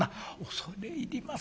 「恐れ入ります。